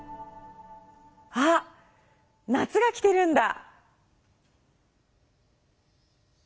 あ！夏が来てるんだ！